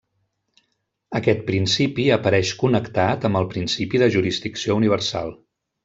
Aquest principi apareix connectat amb el principi de jurisdicció universal.